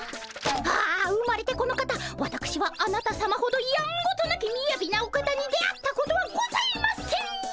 ああ生まれてこの方わたくしはあなたさまほどやんごとなきみやびなお方に出会ったことはございません！